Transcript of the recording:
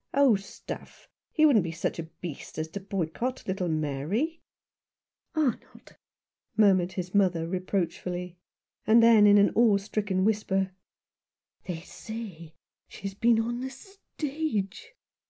" Oh, stuff! He couldn't be such a beast as to boycott little Mary." " Arnold !" murmured his mother, reproachfully : and then in an awe stricken whisper. " They say she has been on the stage."